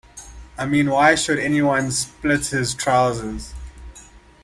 I mean, why should anybody split his trousers?